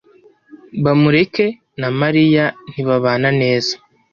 Bamureke na Mariya ntibabana neza.